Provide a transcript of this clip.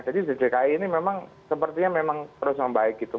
jadi ddki ini memang sepertinya memang terus membaik gitu